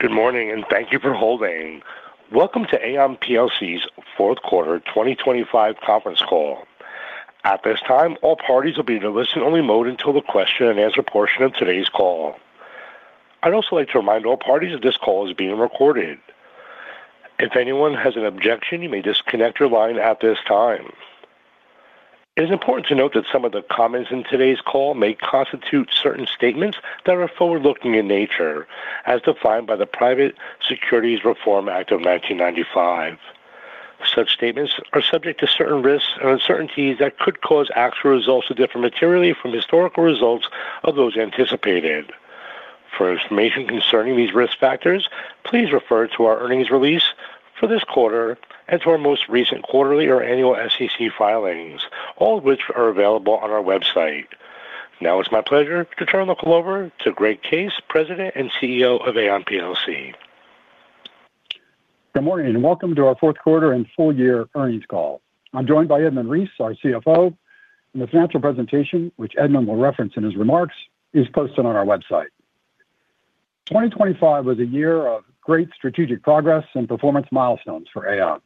Good morning, and thank you for holding. Welcome to Aon PLC's fourth quarter 2025 conference call. At this time, all parties will be in a listen-only mode until the question and answer portion of today's call. I'd also like to remind all parties that this call is being recorded. If anyone has an objection, you may disconnect your line at this time. It is important to note that some of the comments in today's call may constitute certain statements that are forward-looking in nature, as defined by the Private Securities Litigation Reform Act of 1995. Such statements are subject to certain risks and uncertainties that could cause actual results to differ materially from historical results of those anticipated. For information concerning these risk factors, please refer to our earnings release for this quarter and to our most recent quarterly or annual SEC filings, all of which are available on our website. Now it's my pleasure to turn the call over to Greg Case, President and CEO of Aon PLC. Good morning, and welcome to our fourth quarter and full year earnings call. I'm joined by Edmund Reese, our CFO, and the financial presentation, which Edmund will reference in his remarks, is posted on our website. 2025 was a year of great strategic progress and performance milestones for Aon.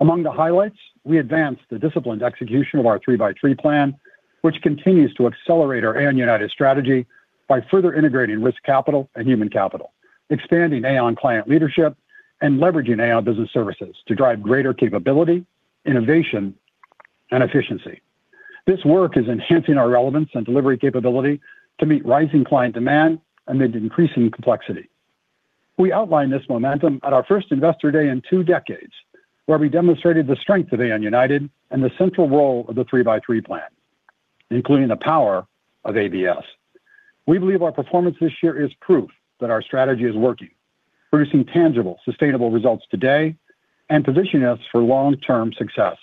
Among the highlights, we advanced the disciplined execution of our 3x3 Plan, which continues to accelerate our Aon United strategy by further integrating Risk Capital and Human Capital, expanding Aon Client Leadership, and leveraging Aon Business Services to drive greater capability, innovation, and efficiency. This work is enhancing our relevance and delivery capability to meet rising client demand amid increasing complexity. We outlined this momentum at our first Investor Day in two decades, where we demonstrated the strength of Aon United and the central role of the 3x3 Plan, including the power of ABS. We believe our performance this year is proof that our strategy is working, producing tangible, sustainable results today and positioning us for long-term success.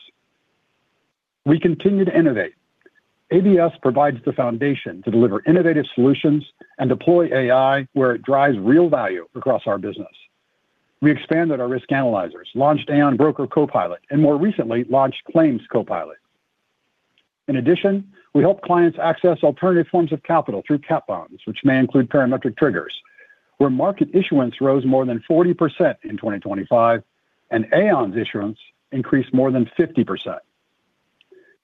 We continue to innovate. ABS provides the foundation to deliver innovative solutions and deploy AI where it drives real value across our business. We expanded our Risk Analyzers, launched Aon Broker Copilot, and more recently, launched Claims Copilot. In addition, we help clients access alternative forms of capital through cat bonds, which may include parametric triggers, where market issuance rose more than 40% in 2025, and Aon's issuance increased more than 50%.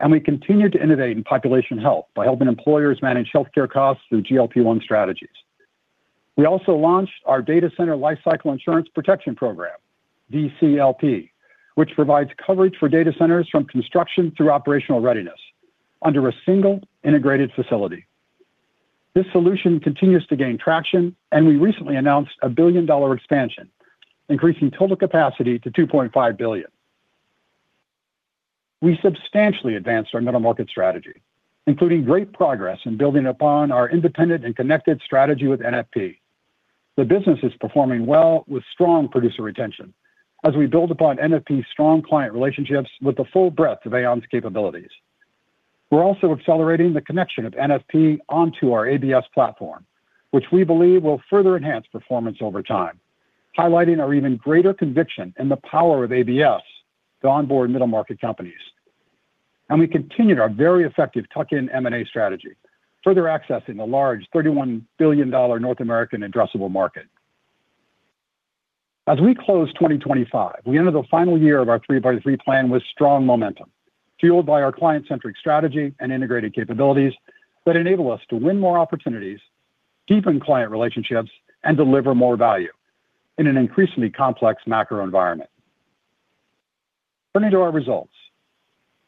We continued to innovate in population health by helping employers manage healthcare costs through GLP-1 strategies. We also launched our Data Center Lifecycle Insurance Program, DCLP, which provides coverage for data centers from construction through operational readiness under a single integrated facility. This solution continues to gain traction, and we recently announced a billion-dollar expansion, increasing total capacity to $2.5 billion. We substantially advanced our middle market strategy, including great progress in building upon our independent and connected strategy with NFP. The business is performing well with strong producer retention as we build upon NFP's strong client relationships with the full breadth of Aon's capabilities. We're also accelerating the connection of NFP onto our ABS platform, which we believe will further enhance performance over time, highlighting our even greater conviction in the power of ABS to onboard middle market companies. We continued our very effective tuck-in M&A strategy, further accessing the large $31 billion North American addressable market. As we close 2025, we enter the final year of our 3x3 Plan with strong momentum, fueled by our client-centric strategy and integrated capabilities that enable us to win more opportunities, deepen client relationships, and deliver more value in an increasingly complex macro environment. Turning to our results,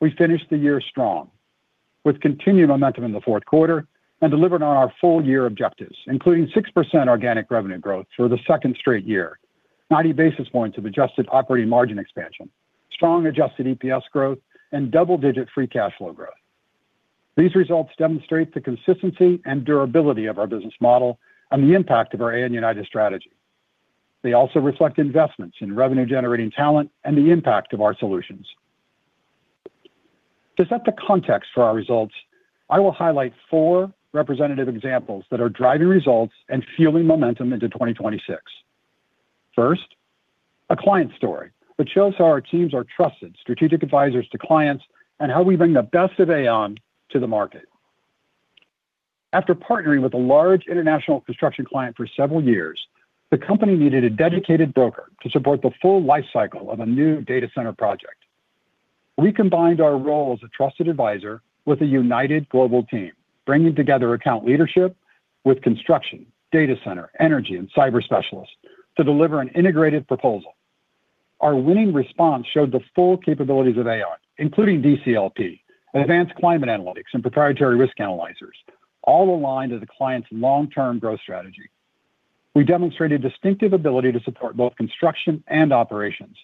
we finished the year strong, with continued momentum in the fourth quarter and delivered on our full year objectives, including 6% organic revenue growth for the second straight year, 90 basis points of adjusted operating margin expansion, strong adjusted EPS growth, and double-digit free cash flow growth. These results demonstrate the consistency and durability of our business model and the impact of our Aon United strategy. They also reflect investments in revenue-generating talent and the impact of our solutions. To set the context for our results, I will highlight four representative examples that are driving results and fueling momentum into 2026. First, a client story, which shows how our teams are trusted strategic advisors to clients and how we bring the best of Aon to the market. After partnering with a large international construction client for several years, the company needed a dedicated broker to support the full life cycle of a new data center project. We combined our role as a trusted advisor with a united global team, bringing together account leadership with construction, data center, Energy, and cyber specialists to deliver an integrated proposal. Our winning response showed the full capabilities of Aon, including DCLP, advanced climate analytics, and proprietary Risk Analyzers, all aligned to the client's long-term growth strategy. We demonstrated distinctive ability to support both construction and operations,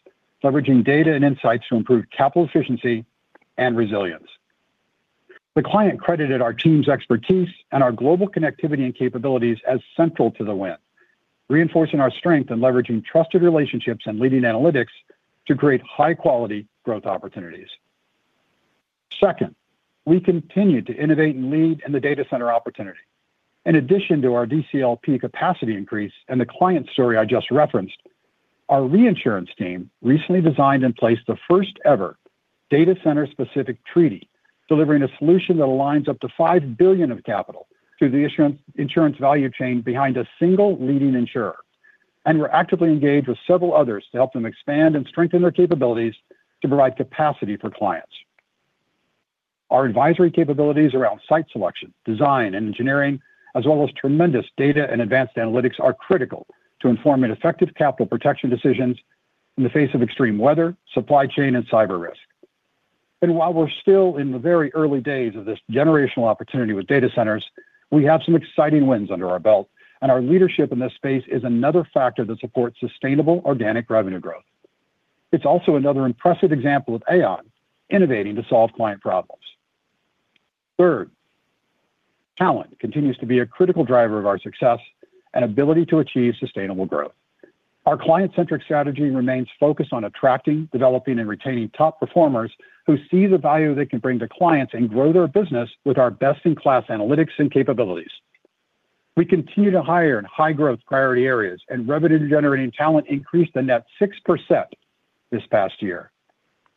leveraging data and insights to improve capital efficiency and resilience. The client credited our team's expertise and our global connectivity and capabilities as central to the win, reinforcing our strength in leveraging trusted relationships and leading analytics to create high-quality growth opportunities. Second, we continued to innovate and lead in the data center opportunity. In addition to our DCLP capacity increase and the client story I just referenced. Our Reinsurance team recently designed and placed the first-ever data center-specific treaty, delivering a solution that aligns up to $5 billion of capital through the insurance, insurance value chain behind a single leading insurer. We're actively engaged with several others to help them expand and strengthen their capabilities to provide capacity for clients. Our advisory capabilities around site selection, design, and engineering, as well as tremendous data and advanced analytics, are critical to inform an effective capital protection decisions in the face of extreme weather, supply chain, and cyber risk. And while we're still in the very early days of this generational opportunity with data centers, we have some exciting wins under our belt, and our leadership in this space is another factor that supports sustainable organic revenue growth. It's also another impressive example of Aon innovating to solve client problems. Third, talent continues to be a critical driver of our success and ability to achieve sustainable growth. Our client-centric strategy remains focused on attracting, developing, and retaining top performers who see the value they can bring to clients and grow their business with our best-in-class analytics and capabilities. We continue to hire in high-growth priority areas, and revenue-generating talent increased a net 6% this past year.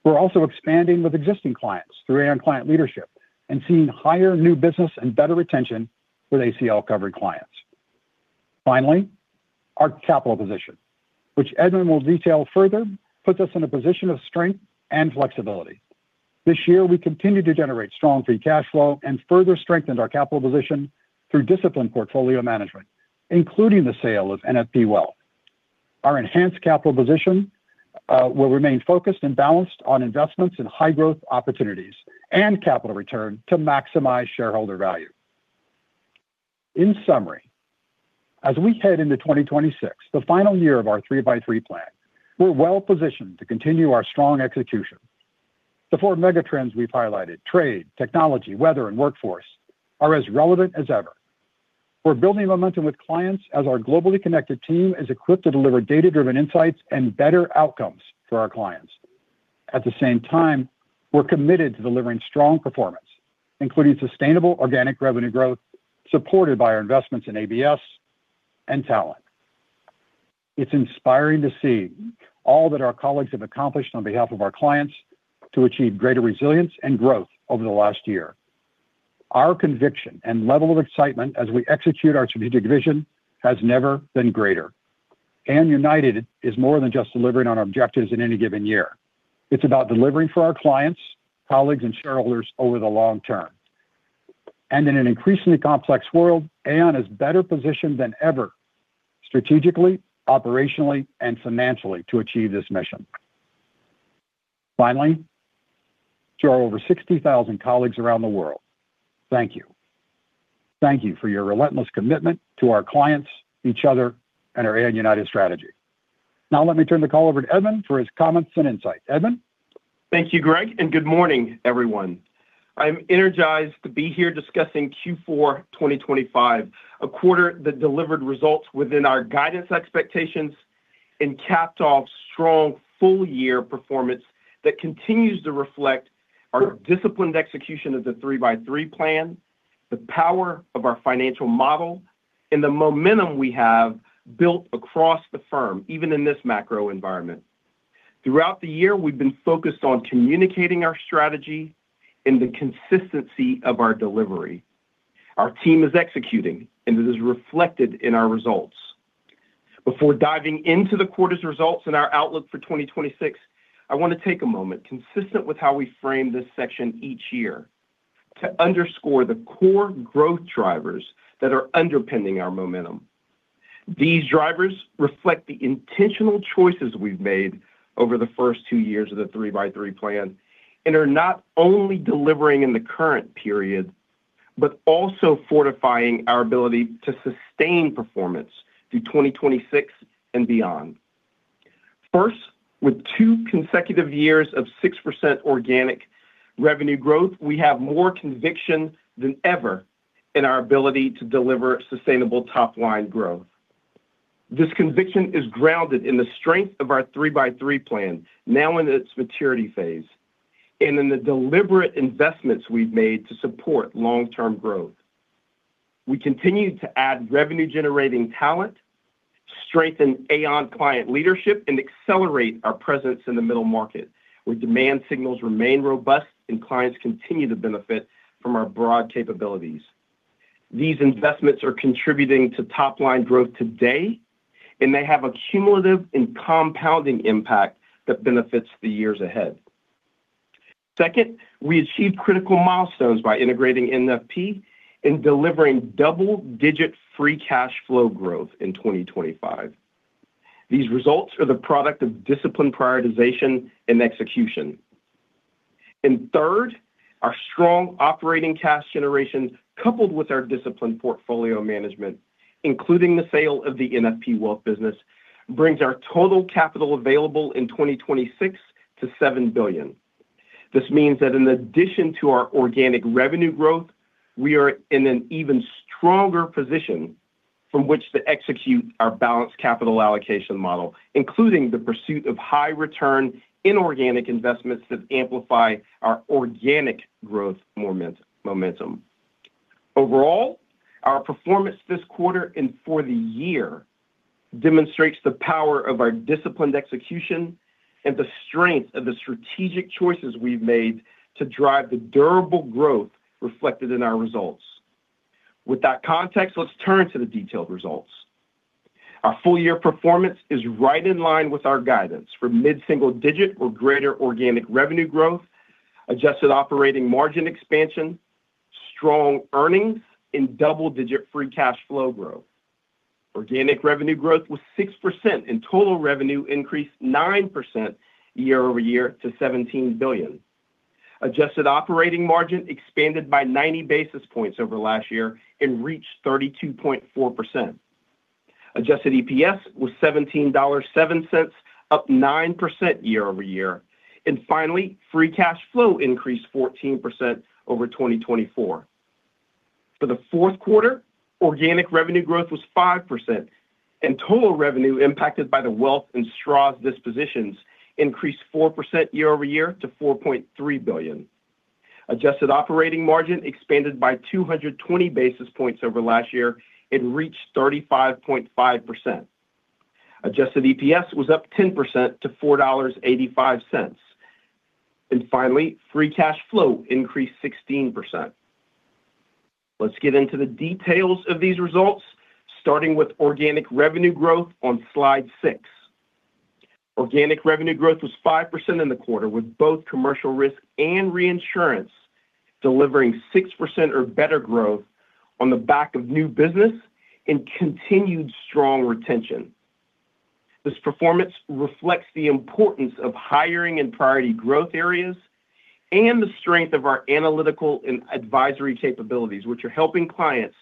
We're also expanding with existing clients through Aon Client Leadership and seeing higher new business and better retention with ACL-covered clients. Finally, our capital position, which Edmund will detail further, puts us in a position of strength and flexibility. This year, we continued to generate strong free cash flow and further strengthened our capital position through disciplined portfolio management, including the sale of NFP Wealth. Our enhanced capital position will remain focused and balanced on investments in high-growth opportunities and capital return to maximize shareholder value. In summary, as we head into 2026, the final year of our 2x3 Plan, we're well positioned to continue our strong execution. The four megatrends we've highlighted, trade, technology, weather, and workforce, are as relevant as ever. We're building momentum with clients as our globally connected team is equipped to deliver data-driven insights and better outcomes for our clients. At the same time, we're committed to delivering strong performance, including sustainable organic revenue growth, supported by our investments in ABS and talent. It's inspiring to see all that our colleagues have accomplished on behalf of our clients to achieve greater resilience and growth over the last year. Our conviction and level of excitement as we execute our strategic vision has never been greater. And United is more than just delivering on our objectives in any given year. It's about delivering for our clients, colleagues, and shareholders over the long term. And in an increasingly complex world, Aon is better positioned than ever, strategically, operationally, and financially to achieve this mission. Finally, to our over 60,000 colleagues around the world, thank you. Thank you for your relentless commitment to our clients, each other, and our Aon United strategy. Now, let me turn the call over to Edmund for his comments and insights. Edmund? Thank you, Greg, and good morning, everyone. I'm energized to be here discussing Q4 2025, a quarter that delivered results within our guidance expectations and capped off strong full-year performance that continues to reflect our disciplined execution of the 3x3 Plan, the power of our financial model, and the momentum we have built across the firm, even in this macro environment. Throughout the year, we've been focused on communicating our strategy and the consistency of our delivery. Our team is executing, and it is reflected in our results. Before diving into the quarter's results and our outlook for 2026, I want to take a moment, consistent with how we frame this section each year, to underscore the core growth drivers that are underpinning our momentum. These drivers reflect the intentional choices we've made over the first two years of the 3x3 Plan and are not only delivering in the current period, but also fortifying our ability to sustain performance through 2026 and beyond. First, with two consecutive years of 6% organic revenue growth, we have more conviction than ever in our ability to deliver sustainable top-line growth. This conviction is grounded in the strength of our 3x3 Plan, now in its maturity phase, and in the deliberate investments we've made to support long-term growth. We continue to add revenue-generating talent, strengthen Aon Client Leadership, and accelerate our presence in the middle market, where demand signals remain robust and clients continue to benefit from our broad capabilities. These investments are contributing to top-line growth today, and they have a cumulative and compounding impact that benefits the years ahead. Second, we achieved critical milestones by integrating NFP and delivering double-digit free cash flow growth in 2025. These results are the product of disciplined prioritization and execution. And third, our strong operating cash generation, coupled with our disciplined portfolio management, including the sale of the NFP Wealth business, brings our total capital available in 2026 to $7 billion. This means that in addition to our organic revenue growth, we are in an even stronger position from which to execute our balanced capital allocation model, including the pursuit of high-return inorganic investments that amplify our organic growth momentum. Overall, our performance this quarter and for the year demonstrates the power of our disciplined execution and the strength of the strategic choices we've made to drive the durable growth reflected in our results. With that context, let's turn to the detailed results. Our full year performance is right in line with our guidance for mid-single-digit or greater organic revenue growth, adjusted operating margin expansion, strong earnings, and double-digit free cash flow growth. Organic revenue growth was 6%, and total revenue increased 9% year-over-year to $17 billion. Adjusted operating margin expanded by 90 basis points over last year and reached 32.4%. Adjusted EPS was $17.07, up 9% year-over-year. And finally, free cash flow increased 14% over 2024. For the fourth quarter, organic revenue growth was 5%, and total revenue impacted by the Wealth and Stroz dispositions increased 4% year-over-year to $4.3 billion. Adjusted operating margin expanded by 220 basis points over last year and reached 35.5%. Adjusted EPS was up 10% to $4.85. Finally, free cash flow increased 16%. Let's get into the details of these results, starting with organic revenue growth on Slide 6. Organic revenue growth was 5% in the quarter, with both Commercial Risk and Reinsurance delivering 6% or better growth on the back of new business and continued strong retention. This performance reflects the importance of hiring in priority growth areas and the strength of our analytical and advisory capabilities, which are helping clients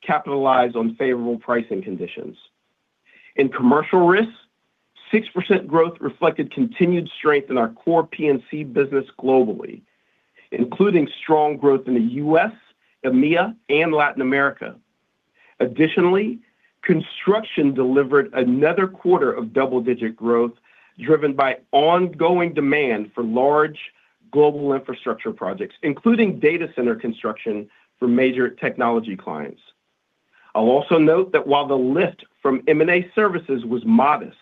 capitalize on favorable pricing conditions. In Commercial Risks, 6% growth reflected continued strength in our core P&C business globally, including strong growth in the U.S., EMEA, and Latin America. Additionally, construction delivered another quarter of double-digit growth, driven by ongoing demand for large global infrastructure projects, including data center construction for major technology clients. I'll also note that while the lift from M&A services was modest,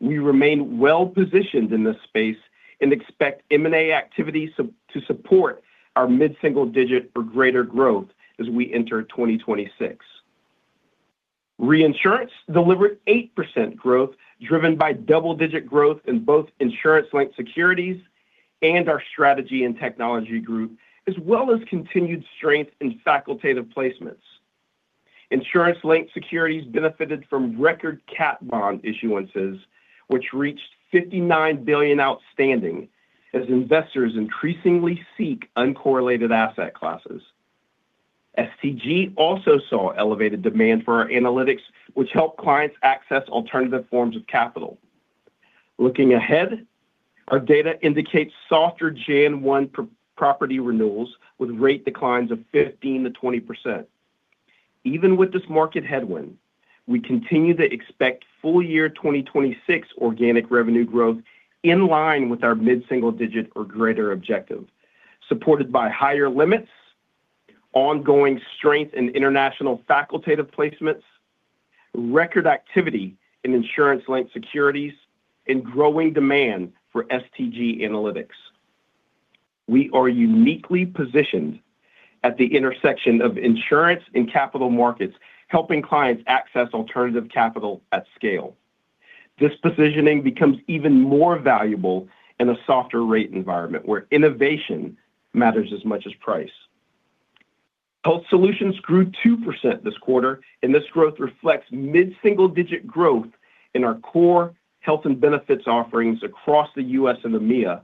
we remain well-positioned in this space and expect M&A activities to support our mid-single-digit or greater growth as we enter 2026. Reinsurance delivered 8% growth, driven by double-digit growth in both insurance-linked securities and our Strategy and Technology Group, as well as continued strength in facultative placements. Insurance-linked securities benefited from record cat bond issuances, which reached $59 billion outstanding as investors increasingly seek uncorrelated asset classes. STG also saw elevated demand for our analytics, which helped clients access alternative forms of capital. Looking ahead, our data indicates softer January 1 property renewals with rate declines of 15%-20%. Even with this market headwind, we continue to expect full year 2026 organic revenue growth in line with our mid-single-digit or greater objective, supported by higher limits, ongoing strength in international facultative placements, record activity in insurance-linked securities, and growing demand for STG analytics. We are uniquely positioned at the intersection of insurance and capital markets, helping clients access alternative capital at scale. This positioning becomes even more valuable in a softer rate environment, where innovation matters as much as price. Health Solutions grew 2% this quarter, and this growth reflects mid-single-digit growth in our core Health and Benefits offerings across the U.S. and EMEA,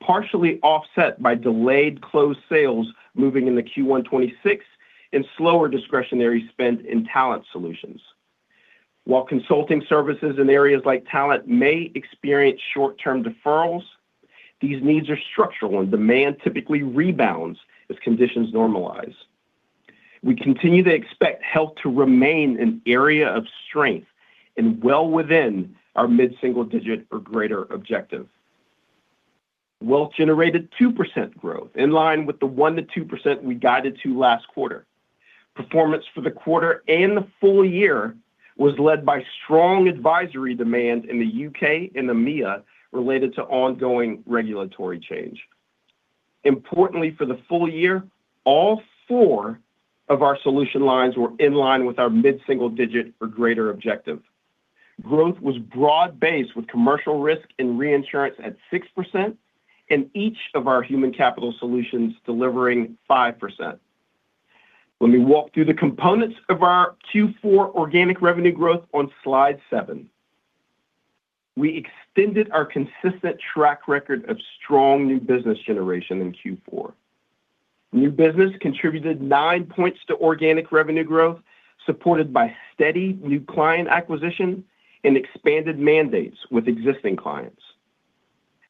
partially offset by delayed closed sales moving into Q1 2026 and slower discretionary spend in Talent Solutions. While consulting services in areas like talent may experience short-term deferrals, these needs are structural, and demand typically rebounds as conditions normalize. We continue to expect health to remain an area of strength and well within our mid-single digit or greater objective. Wealth generated 2% growth, in line with the 1%-2% we guided to last quarter. Performance for the quarter and the full year was led by strong advisory demand in the U.K. and EMEA related to ongoing regulatory change. Importantly, for the full year, all four of our solution lines were in line with our mid-single digit or greater objective. Growth was broad-based, with Commercial Risk and Reinsurance at 6% in each of our Human Capital solutions delivering 5%. Let me walk through the components of our Q4 organic revenue growth on Slide 7. We extended our consistent track record of strong new business generation in Q4. New business contributed 9 points to organic revenue growth, supported by steady new client acquisition and expanded mandates with existing clients.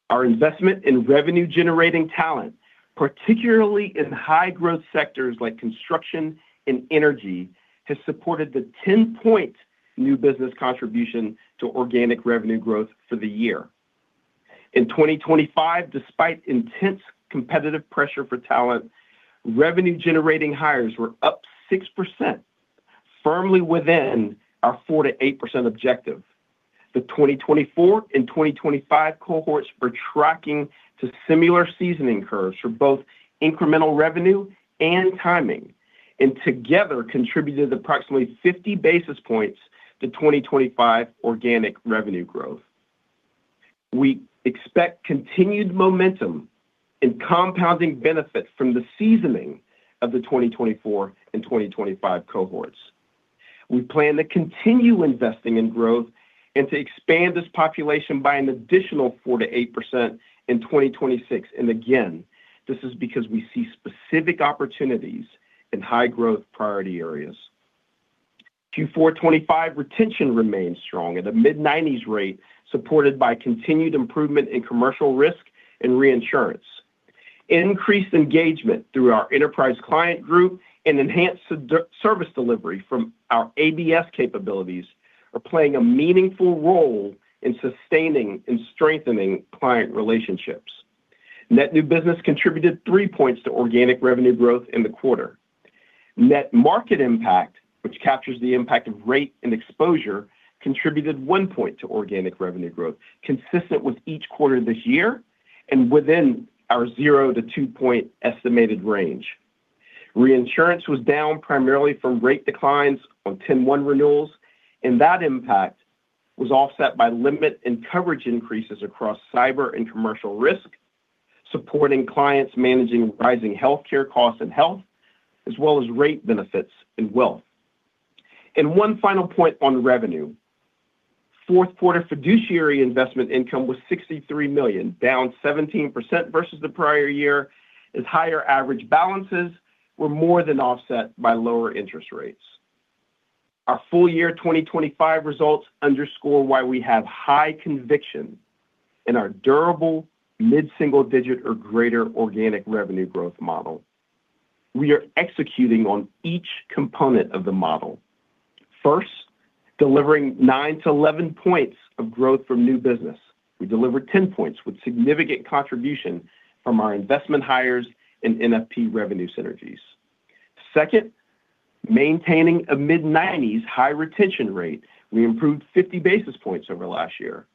Our investment in revenue-generating talent, particularly in high-growth sectors like construction and Energy, has supported the 10-point new business contribution to organic revenue growth for the year. In 2025, despite intense competitive pressure for talent, revenue-generating hires were up 6%, firmly within our 4%-8% objective. The 2024 and 2025 cohorts were tracking to similar seasoning curves for both incremental revenue and timing, and together contributed approximately 50 basis points to 2025 organic revenue growth. We expect continued momentum and compounding benefits from the seasoning of the 2024 and 2025 cohorts. We plan to continue investing in growth and to expand this population by an additional 4%-8% in 2026. And again, this is because we see specific opportunities in high growth priority areas. Q4 2025 retention remains strong at a mid-90s rate, supported by continued improvement in Commercial Risk and Reinsurance. Increased engagement through our Enterprise Client Group and enhanced service delivery from our ABS capabilities are playing a meaningful role in sustaining and strengthening client relationships. Net new business contributed 3 points to organic revenue growth in the quarter. Net market impact, which captures the impact of rate and exposure, contributed 1 point to organic revenue growth, consistent with each quarter this year and within our zero to two point estimated range. Reinsurance was down primarily from rate declines on 10/1 renewals, and that impact was offset by limit and coverage increases across cyber and Commercial Risk, supporting clients managing rising healthcare costs and health, as well as rate benefits and Wealth. One final point on revenue. Fourth quarter fiduciary investment income was $63 million, down 17% versus the prior year, as higher average balances were more than offset by lower interest rates. Our full-year 2025 results underscore why we have high conviction in our durable mid-single-digit or greater organic revenue growth model. We are executing on each component of the model. First, delivering nine to 11 points of growth from new business. We delivered 10 points with significant contribution from our investment hires and NFP revenue synergies. Second, maintaining a mid-90s high retention rate. We improved 50 basis points over last year.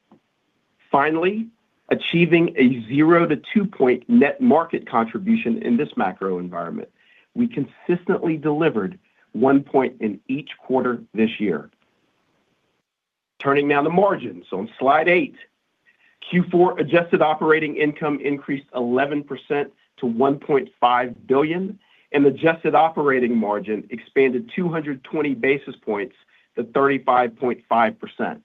Finally, achieving a zero to two point net market contribution in this macro environment. We consistently delivered one point in each quarter this year. Turning now to margins on Slide 8. Q4 adjusted operating income increased 11% to $1.5 billion, and adjusted operating margin expanded 220 basis points to 35.5%.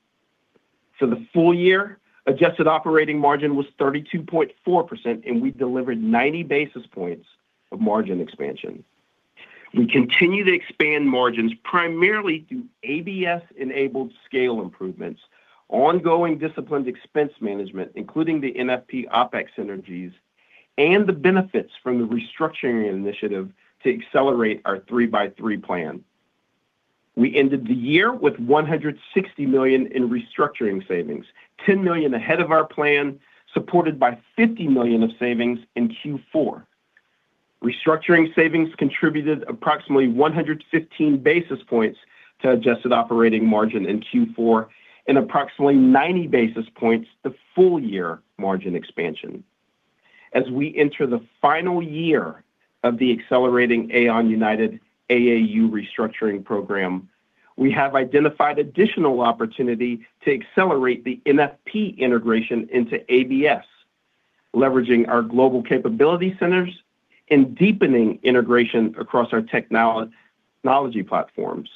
For the full year, adjusted operating margin was 32.4%, and we delivered 90 basis points of margin expansion. We continue to expand margins primarily through ABS-enabled scale improvements, ongoing disciplined expense management, including the NFP OpEx synergies, and the benefits from the restructuring initiative to accelerate our 3x3 Plan. We ended the year with $160 million in restructuring savings, $10 million ahead of our plan, supported by $50 million of savings in Q4. Restructuring savings contributed approximately 115 basis points to adjusted operating margin in Q4 and approximately 90 basis points to full-year margin expansion. As we enter the final year of the Accelerating Aon United AAU restructuring program, we have identified additional opportunity to accelerate the NFP integration into ABS, leveraging our Global Capability Centers and deepening integration across our technology platforms.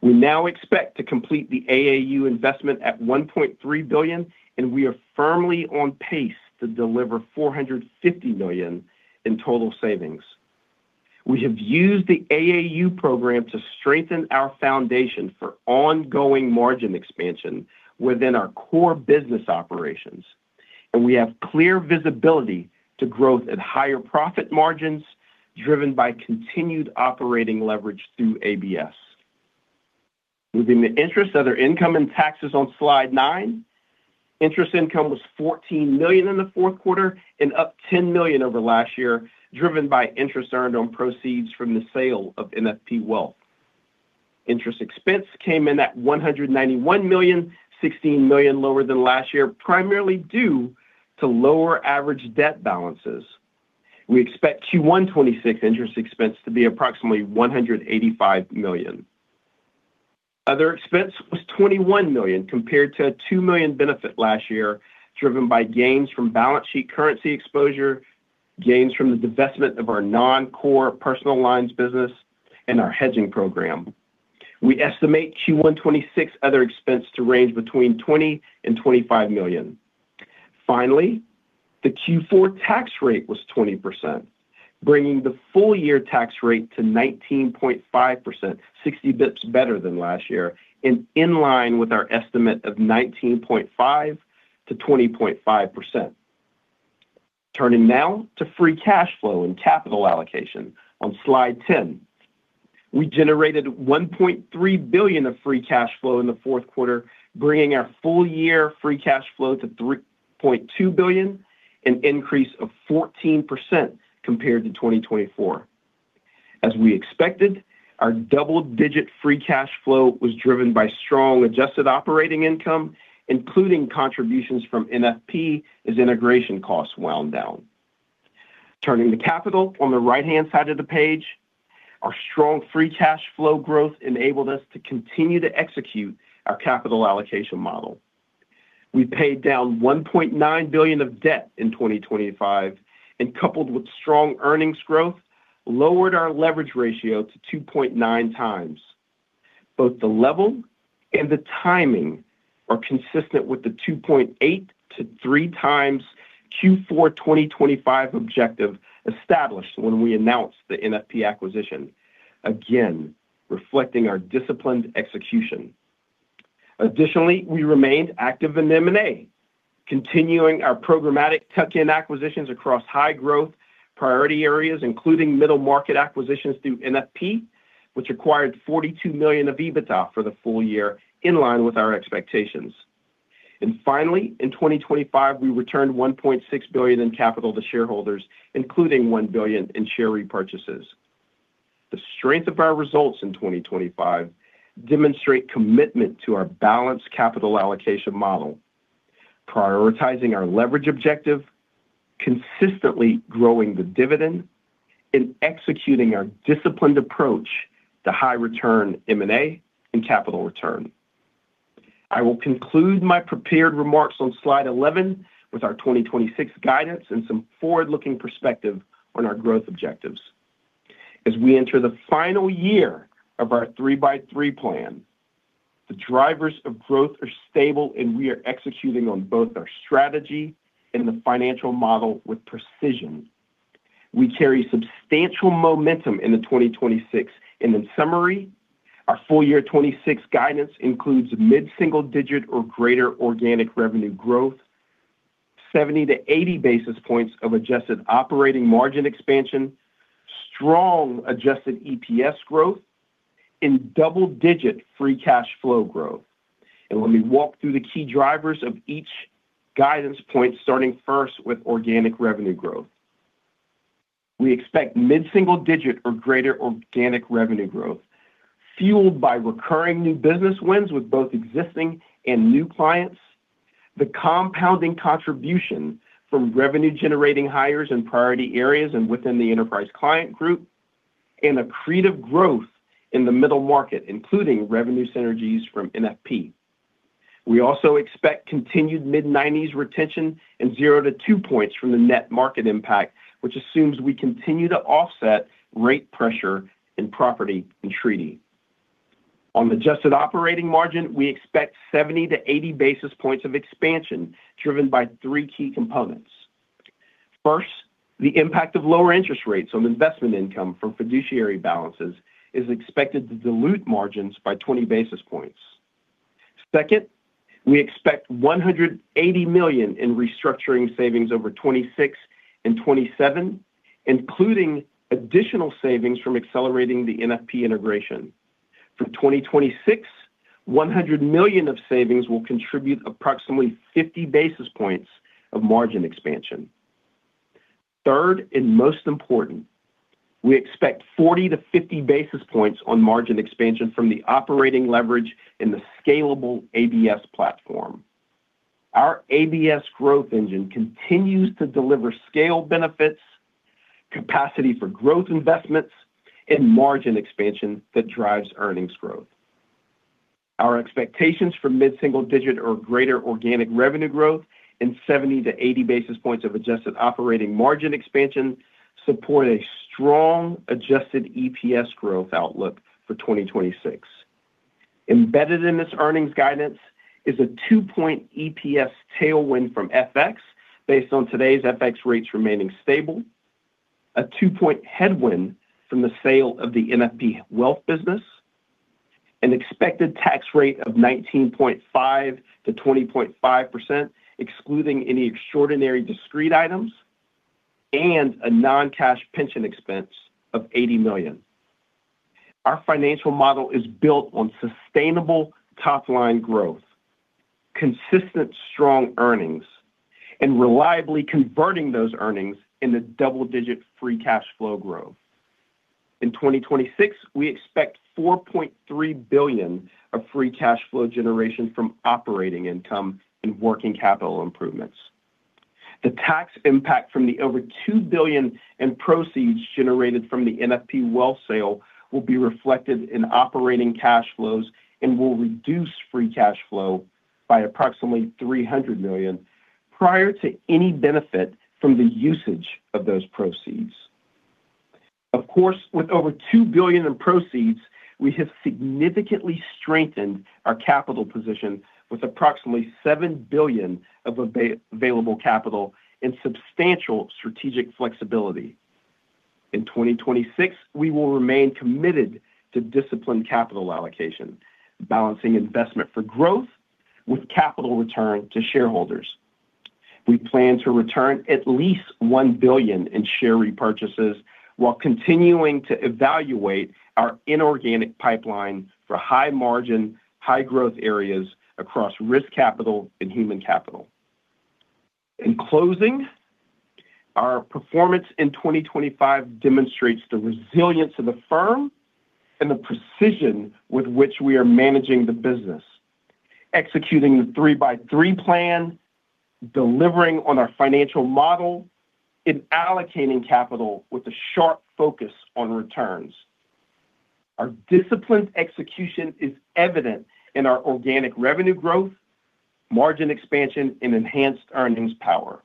We now expect to complete the AAU investment at $1.3 billion, and we are firmly on pace to deliver $450 million in total savings. We have used the AAU program to strengthen our foundation for ongoing margin expansion within our core business operations, and we have clear visibility to growth at higher profit margins, driven by continued operating leverage through ABS. Within the interest, other income, and taxes on Slide nine, interest income was $14 million in the fourth quarter and up $10 million over last year, driven by interest earned on proceeds from the sale of NFP Wealth. Interest expense came in at $191 million, $16 million lower than last year, primarily due to lower average debt balances. We expect Q1 2026 interest expense to be approximately $185 million. Other expense was $21 million, compared to a $2 million benefit last year, driven by gains from balance sheet currency exposure, gains from the divestment of our non-core personal lines business and our hedging program. We estimate Q1 2026 other expense to range between $20 million and $25 million. Finally, the Q4 tax rate was 20%, bringing the full year tax rate to 19.5%, 60 basis points better than last year, and in line with our estimate of 19.5%-20.5%. Turning now to free cash flow and capital allocation on Slide 10. We generated $1.3 billion of free cash flow in the fourth quarter, bringing our full year free cash flow to $3.2 billion, an increase of 14% compared to 2024. As we expected, our double-digit free cash flow was driven by strong adjusted operating income, including contributions from NFP as integration costs wound down. Turning to capital on the right-hand side of the page, our strong free cash flow growth enabled us to continue to execute our capital allocation model. We paid down $1.9 billion of debt in 2025, and coupled with strong earnings growth, lowered our leverage ratio to 2.9 times. Both the level and the timing are consistent with the 2.8 to three times Q4 2025 objective established when we announced the NFP acquisition, again, reflecting our disciplined execution. Additionally, we remained active in M&A, continuing our programmatic tuck-in acquisitions across high growth priority areas, including Middle Market acquisitions through NFP, which acquired 42 million of EBITDA for the full year, in line with our expectations. And finally, in 2025, we returned $1.6 billion in capital to shareholders, including $1 billion in share repurchases. The strength of our results in 2025 demonstrate commitment to our balanced capital allocation model, prioritizing our leverage objective, consistently growing the dividend, and executing our disciplined approach to high return M&A and capital return. I will conclude my prepared remarks on slide 11 with our 2026 guidance and some forward-looking perspective on our growth objectives. As we enter the final year of our 3x3 Plan, the drivers of growth are stable, and we are executing on both our strategy and the financial model with precision. We carry substantial momentum into 2026, and in summary, our full year 2026 guidance includes mid-single-digit or greater organic revenue growth, 70-80 basis points of adjusted operating margin expansion, strong adjusted EPS growth, and double-digit free cash flow growth. Let me walk through the key drivers of each guidance point, starting first with organic revenue growth. We expect mid-single-digit or greater organic revenue growth, fueled by recurring new business wins with both existing and new clients, the compounding contribution from revenue-generating hires in priority areas and within the Enterprise Client Group, and accretive growth in the Middle Market, including revenue synergies from NFP. We also expect continued mid-90s retention and zero to two points from the net market impact, which assumes we continue to offset rate pressure in property and treaty. On adjusted operating margin, we expect 70-80 basis points of expansion, driven by three key components. First, the impact of lower interest rates on investment income from fiduciary balances is expected to dilute margins by 20 basis points. Second, we expect $180 million in restructuring savings over 2026 and 2027, including additional savings from accelerating the NFP integration. For 2026, $100 million of savings will contribute approximately 50 basis points of margin expansion. Third, and most important, we expect 40-50 basis points on margin expansion from the operating leverage in the scalable ABS platform. Our ABS growth engine continues to deliver scale benefits, capacity for growth investments, and margin expansion that drives earnings growth. Our expectations for mid-single-digit or greater organic revenue growth and 70-80 basis points of adjusted operating margin expansion support a strong adjusted EPS growth outlook for 2026. Embedded in this earnings guidance is a two-point EPS tailwind from FX, based on today's FX rates remaining stable, a two-point headwind from the sale of the NFP Wealth business, an expected tax rate of 19.5%-20.5%, excluding any extraordinary discrete items, and a non-cash pension expense of $80 million. Our financial model is built on sustainable top-line growth, consistent strong earnings, and reliably converting those earnings into double-digit free cash flow growth. In 2026, we expect $4.3 billion of free cash flow generation from operating income and working capital improvements. The tax impact from the over $2 billion in proceeds generated from the NFP Wealth sale will be reflected in operating cash flows and will reduce free cash flow by approximately $300 million prior to any benefit from the usage of those proceeds. Of course, with over $2 billion in proceeds, we have significantly strengthened our capital position with approximately $7 billion of available capital and substantial strategic flexibility. In 2026, we will remain committed to disciplined capital allocation, balancing investment for growth with capital return to shareholders. We plan to return at least $1 billion in share repurchases while continuing to evaluate our inorganic pipeline for high margin, high growth areas across Risk Capital and Human Capital. In closing, our performance in 2025 demonstrates the resilience of the firm and the precision with which we are managing the business, executing the 3x3 Plan, delivering on our financial model, and allocating capital with a sharp focus on returns. Our disciplined execution is evident in our organic revenue growth, margin expansion, and enhanced earnings power.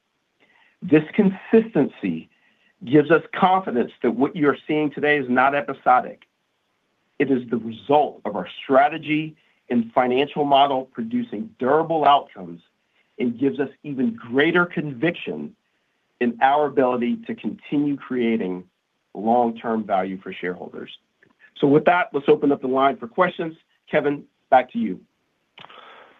This consistency gives us confidence that what you are seeing today is not episodic. It is the result of our strategy and financial model producing durable outcomes and gives us even greater conviction in our ability to continue creating long-term value for shareholders. So with that, let's open up the line for questions. Kevin, back to you.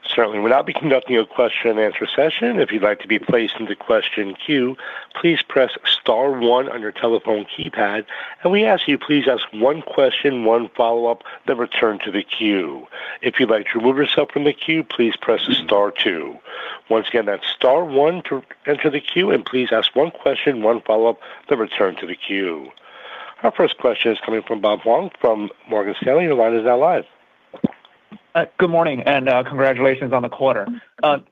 Certainly. We'll now be conducting a question-and-answer session. If you'd like to be placed in the question queue, please press star one on your telephone keypad, and we ask you please ask one question, one follow-up, then return to the queue. If you'd like to remove yourself from the queue, please press star two. Once again, that's star one to enter the queue, and please ask one question, one follow-up, then return to the queue. Our first question is coming from Bob Huang from Morgan Stanley. Your line is now live. Good morning, and congratulations on the quarter.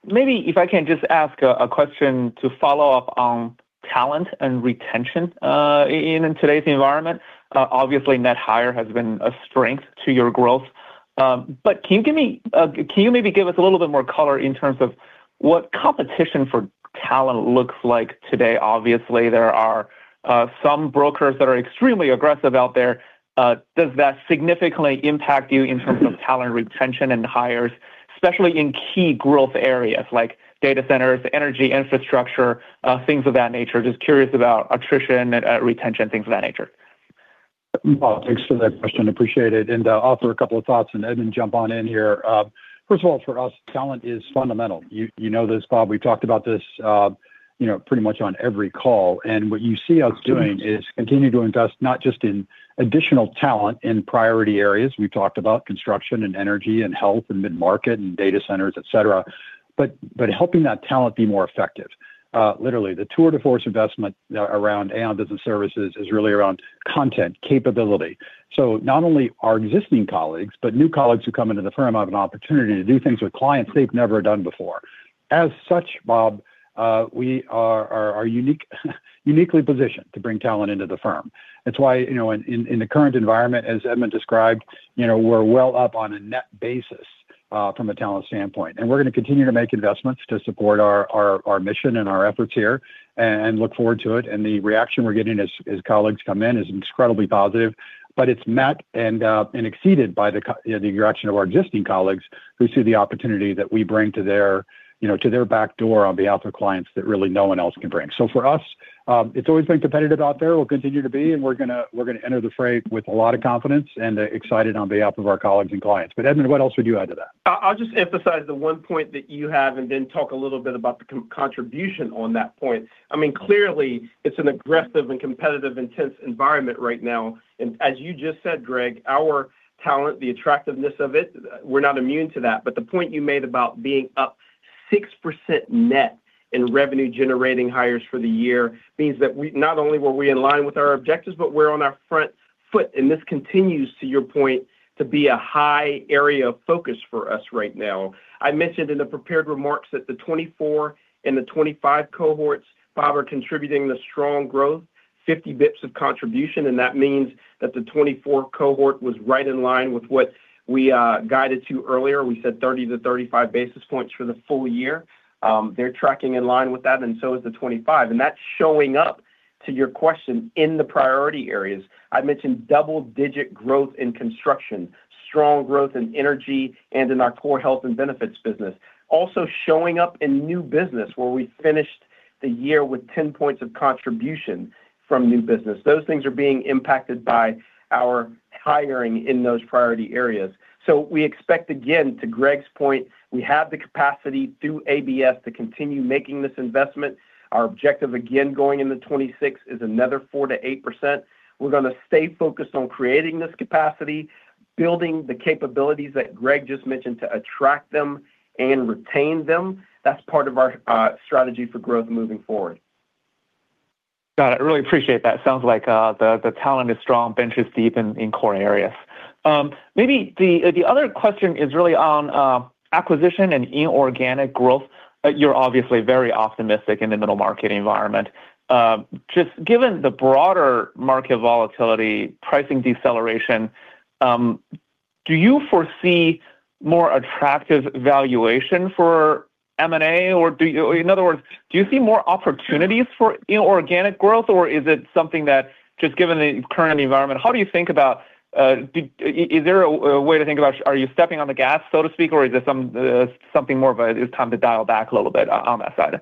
Maybe if I can just ask a question to follow up on talent and retention in today's environment. Obviously, net hire has been a strength to your growth, but can you maybe give us a little bit more color in terms of what competition for talent looks like today? Obviously, there are some brokers that are extremely aggressive out there. Does that significantly impact you in terms of talent retention and hires, especially in key growth areas like data centers, Energy, infrastructure, things of that nature? Just curious about attrition and retention, things of that nature. Bob, thanks for that question. Appreciate it, and I'll offer a couple of thoughts, and Edmund, jump on in here. First of all, for us, talent is fundamental. You know this, Bob. We've talked about this, you know, pretty much on every call. And what you see us doing is continue to invest, not just in additional talent in priority areas. We've talked about construction and Energy and health and mid-market and data centers, et cetera, but helping that talent be more effective. Literally, the tour de force investment around AI business services is really around content, capability. So not only our existing colleagues, but new colleagues who come into the firm have an opportunity to do things with clients they've never done before. As such, Bob, we are uniquely positioned to bring talent into the firm. That's why, you know, in the current environment, as Edmund described, you know, we're well up on a net basis from a talent standpoint. And we're gonna continue to make investments to support our mission and our efforts here and look forward to it, and the reaction we're getting as colleagues come in is incredibly positive. But it's met and exceeded by the reaction of our existing colleagues, who see the opportunity that we bring to their, you know, to their back door on behalf of clients that really no one else can bring. So for us, it's always been competitive out there. We'll continue to be, and we're gonna enter the fray with a lot of confidence and excited on behalf of our colleagues and clients. But, Edmund, what else would you add to that? I'll just emphasize the one point that you have and then talk a little bit about the contribution on that point. I mean, clearly, it's an aggressive and competitive, intense environment right now, and as you just said, Greg, our talent, the attractiveness of it, we're not immune to that. But the point you made about being up 6% net in revenue-generating hires for the year means that we—not only were we in line with our objectives, but we're on our front foot, and this continues, to your point, to be a high area of focus for us right now. I mentioned in the prepared remarks that the 2024 and the 2025 cohorts, Bob, are contributing to strong growth, 50 basis points of contribution, and that means that the 2024 cohort was right in line with what we guided to earlier. We said 30-35 basis points for the full year. They're tracking in line with that, and so is the 25, and that's showing up, to your question, in the priority areas. I mentioned double-digit growth in construction, strong growth in Energy, and in our core Health and Benefits business. Also showing up in new business, where we finished the year with 10 points of contribution from new business. Those things are being impacted by our hiring in those priority areas. So we expect, again, to Greg's point, we have the capacity through ABS to continue making this investment. Our objective, again, going into 2026, is another 4%-8%. We're gonna stay focused on creating this capacity, building the capabilities that Greg just mentioned, to attract them and retain them. That's part of our strategy for growth moving forward. Got it. I really appreciate that. Sounds like the talent is strong, benches deep in core areas. Maybe the other question is really on acquisition and inorganic growth. You're obviously very optimistic in the middle market environment. Just given the broader market volatility, pricing deceleration, do you foresee more attractive valuation for M&A, or do you... In other words, do you see more opportunities for inorganic growth, or is it something that, just given the current environment, how do you think about, is there a way to think about are you stepping on the gas, so to speak, or is there something more of a it's time to dial back a little bit on that side?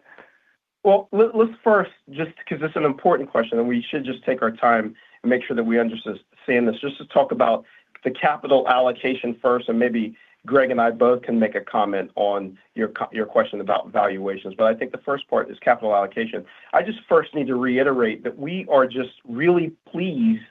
Well, let's first, just because it's an important question, and we should just take our time and make sure that we understand this. Just to talk about the capital allocation first, and maybe Greg and I both can make a comment on your—your question about valuations. But I think the first part is capital allocation. I just first need to reiterate that we are just really pleased,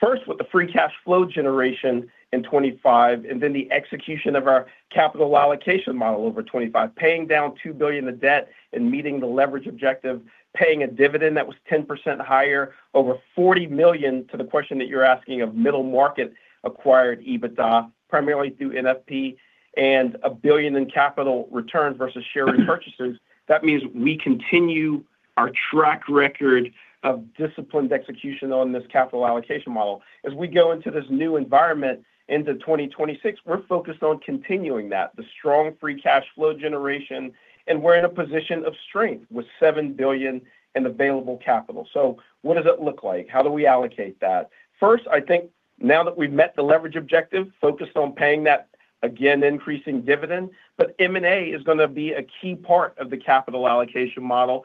first, with the free cash flow generation in 25, and then the execution of our capital allocation model over 25, paying down $2 billion of debt and meeting the leverage objective, paying a dividend that was 10% higher, over $40 million to the question that you're asking of middle market acquired EBITDA, primarily through NFP, and $1 billion in capital returns versus share repurchases. That means we continue our track record of disciplined execution on this capital allocation model. As we go into this new environment into 2026, we're focused on continuing that, the strong free cash flow generation, and we're in a position of strength with $7 billion in available capital. So what does it look like? How do we allocate that? First, I think now that we've met the leverage objective, focused on paying that, again, increasing dividend, but M&A is going to be a key part of the capital allocation model.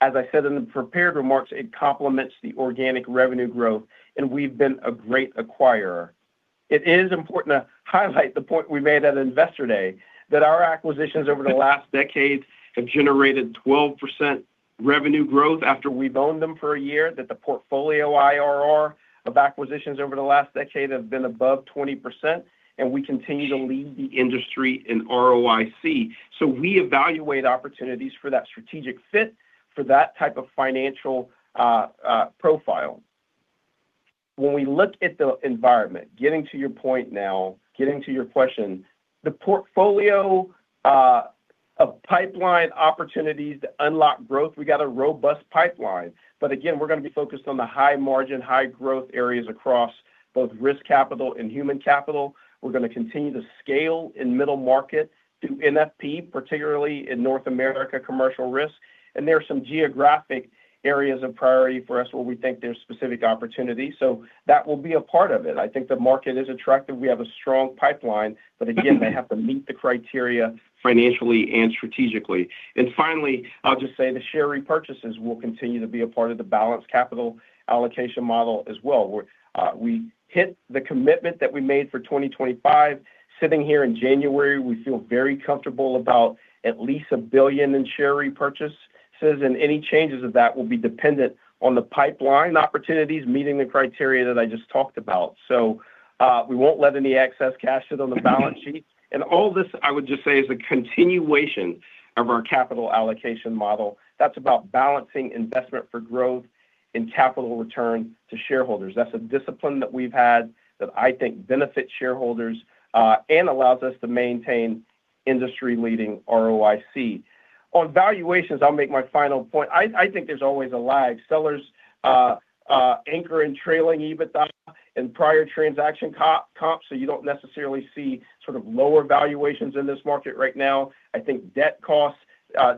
As I said in the prepared remarks, it complements the organic revenue growth, and we've been a great acquirer. It is important to highlight the point we made at Investor Day, that our acquisitions over the last decade have generated 12% revenue growth after we've owned them for a year, that the portfolio IRR of acquisitions over the last decade have been above 20%, and we continue to lead the industry in ROIC. So we evaluate opportunities for that strategic fit for that type of financial profile. When we look at the environment, getting to your point now, getting to your question, the portfolio of pipeline opportunities to unlock growth, we got a robust pipeline. But again, we're going to be focused on the high margin, high growth areas across both Risk Capital and Human Capital. We're going to continue to scale in Middle Market through NFP, particularly in North America Commercial Risk. There are some geographic areas of priority for us where we think there's specific opportunities, so that will be a part of it. I think the market is attractive. We have a strong pipeline, but again, they have to meet the criteria financially and strategically. And finally, I'll just say the share repurchases will continue to be a part of the balanced capital allocation model as well, where we hit the commitment that we made for 2025. Sitting here in January, we feel very comfortable about at least $1 billion in share repurchases, and any changes of that will be dependent on the pipeline opportunities, meeting the criteria that I just talked about. So, we won't let any excess cash sit on the balance sheet. And all this, I would just say, is a continuation of our capital allocation model. That's about balancing investment for growth and capital return to shareholders. That's a discipline that we've had that I think benefits shareholders and allows us to maintain industry-leading ROIC. On valuations, I'll make my final point. I think there's always a lag. Sellers anchor in trailing EBITDA in prior transaction comps, so you don't necessarily see sort of lower valuations in this market right now. I think debt cost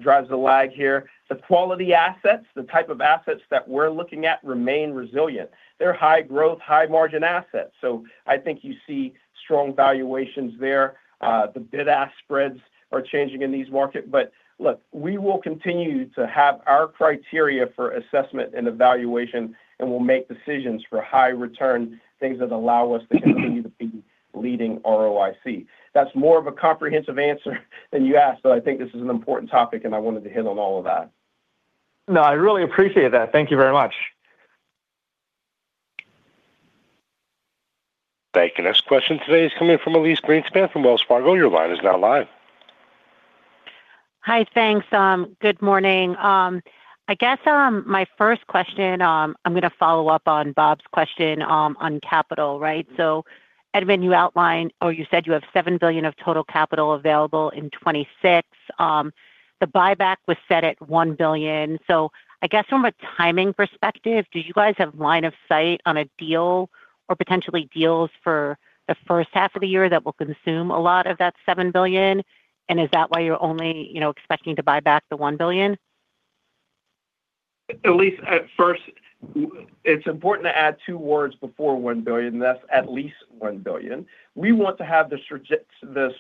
drives the lag here. The quality assets, the type of assets that we're looking at, remain resilient. They're high growth, high margin assets, so I think you see strong valuations there. The bid-ask spreads are changing in these markets. But look, we will continue to have our criteria for assessment and evaluation, and we'll make decisions for high return, things that allow us to continue to be leading ROIC. That's more of a comprehensive answer than you asked, but I think this is an important topic, and I wanted to hit on all of that. No, I really appreciate that. Thank you very much. Thank you. Next question today is coming from Elyse Greenspan from Wells Fargo. Your line is now live. Hi, thanks. Good morning. I guess my first question, I'm going to follow up on Bob's question on capital, right? So Edmund, you outlined or you said you have $7 billion of total capital available in 2026. The buyback was set at $1 billion. So I guess from a timing perspective, do you guys have line of sight on a deal or potentially deals for the first half of the year that will consume a lot of that $7 billion? And is that why you're only, you know, expecting to buy back the $1 billion? Elyse, at first, it's important to add two words before $1 billion, that's at least $1 billion. We want to have the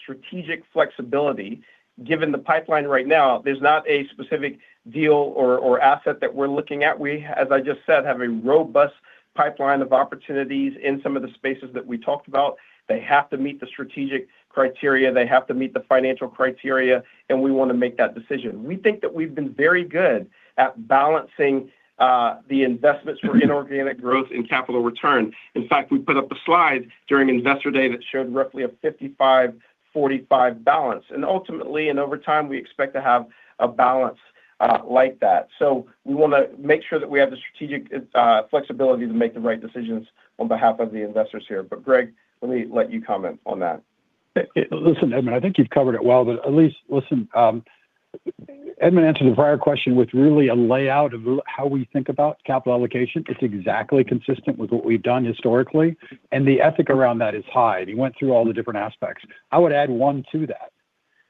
strategic flexibility. Given the pipeline right now, there's not a specific deal or asset that we're looking at. We, as I just said, have a robust pipeline of opportunities in some of the spaces that we talked about. They have to meet the strategic criteria, they have to meet the financial criteria, and we want to make that decision. We think that we've been very good at balancing the investments for inorganic growth and capital return. In fact, we put up a slide during Investor Day that showed roughly a 55-45 balance. Ultimately, over time, we expect to have a balance like that. So we want to make sure that we have the strategic, flexibility to make the right decisions on behalf of the investors here. But Greg, let me let you comment on that. Listen, Edmund, I think you've covered it well. But Elyse, listen, Edmund answered the prior question with really a layout of how we think about capital allocation. It's exactly consistent with what we've done historically, and the ethic around that is high. And he went through all the different aspects. I would add one to that.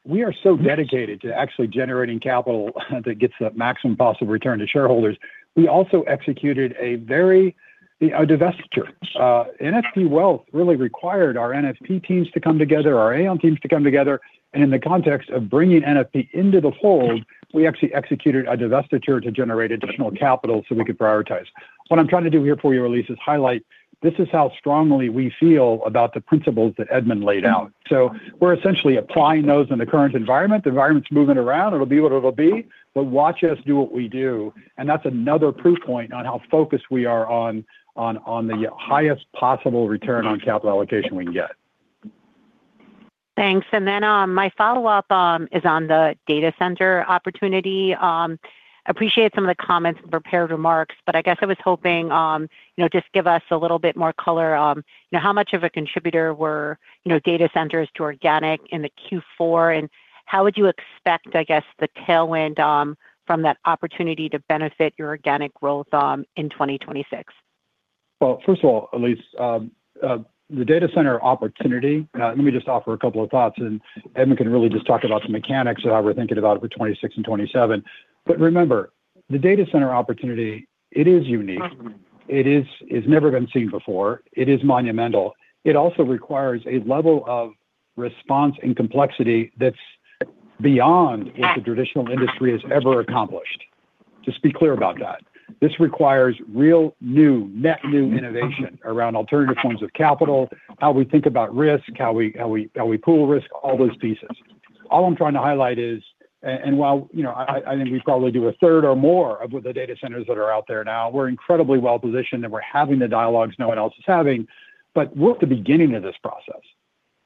We are so dedicated to actually generating capital that gets the maximum possible return to shareholders. We also executed a very, a divestiture. NFP Wealth really required our NFP teams to come together, our ACL teams to come together... and in the context of bringing NFP into the fold, we actually executed a divestiture to generate additional capital so we could prioritize. What I'm trying to do here for you, Elyse, is highlight this is how strongly we feel about the principles that Edmund laid out. So we're essentially applying those in the current environment. The environment's moving around, it'll be what it'll be, but watch us do what we do, and that's another proof point on how focused we are on the highest possible return on capital allocation we can get. Thanks. And then my follow-up is on the data center opportunity. Appreciate some of the comments and prepared remarks, but I guess I was hoping, you know, just give us a little bit more color. You know, how much of a contributor were data centers to organic in the Q4? And how would you expect, I guess, the tailwind from that opportunity to benefit your organic growth in 2026? Well, first of all, Elyse, the data center opportunity, let me just offer a couple of thoughts, and Edmund can really just talk about the mechanics of how we're thinking about it for 2026 and 2027. But remember, the data center opportunity, it is unique. It is. It's never been seen before. It is monumental. It also requires a level of response and complexity that's beyond what the traditional industry has ever accomplished. Just be clear about that. This requires real, new, net new innovation around alternative forms of capital, how we think about risk, how we pool risk, all those pieces. All I'm trying to highlight is, and while, you know, I think we probably do a third or more of the data centers that are out there now, we're incredibly well-positioned, and we're having the dialogues no one else is having, but we're at the beginning of this process.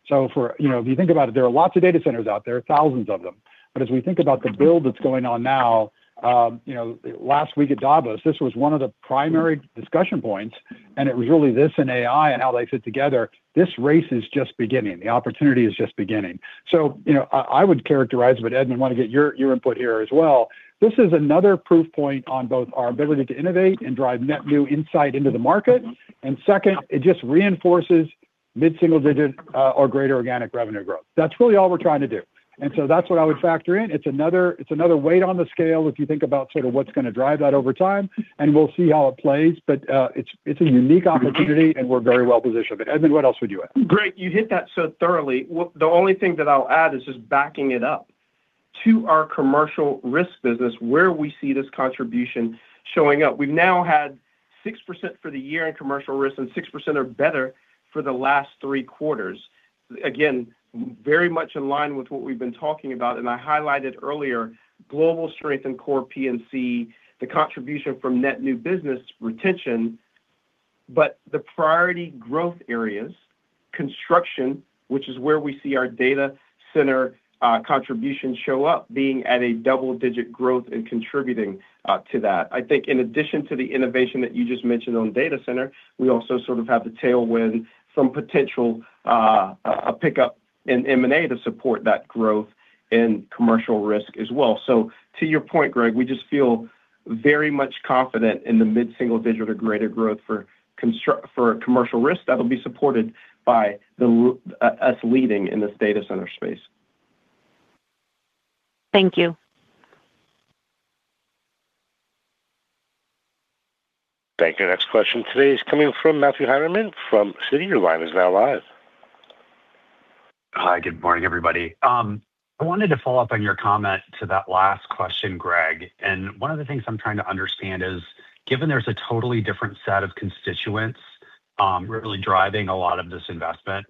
So, you know, if you think about it, there are lots of data centers out there, thousands of them. But as we think about the build that's going on now, you know, last week at Davos, this was one of the primary discussion points, and it was really this and AI and how they fit together. This race is just beginning. The opportunity is just beginning. So, you know, I would characterize, but Edmund, want to get your input here as well. This is another proof point on both our ability to innovate and drive net new insight into the market. And second, it just reinforces mid-single digit, or greater organic revenue growth. That's really all we're trying to do. And so that's what I would factor in. It's another, it's another weight on the scale if you think about sort of what's going to drive that over time, and we'll see how it plays. But, it's, it's a unique opportunity, and we're very well positioned. But Edmund, what else would you add? Greg, you hit that so thoroughly. Well, the only thing that I'll add is just backing it up to our Commercial Risk business, where we see this contribution showing up. We've now had 6% for the year in Commercial Risk, and 6% or better for the last three quarters. Again, very much in line with what we've been talking about, and I highlighted earlier, global strength and core P&C, the contribution from net new business retention, but the priority growth areas, construction, which is where we see our data center contribution show up, being at a double-digit growth and contributing to that. I think in addition to the innovation that you just mentioned on data center, we also sort of have the tailwind, some potential, a pickup in M&A to support that growth in Commercial Risk as well. So to your point, Greg, we just feel very much confident in the mid-single digit or greater growth for Commercial Risk that'll be supported by us leading in this data center space. Thank you. Thank you. Next question today is coming from Matthew Heimermann from Citi. Your line is now live. Hi, good morning, everybody. I wanted to follow up on your comment to that last question, Greg. One of the things I'm trying to understand is, given there's a totally different set of constituents, really driving a lot of this investment,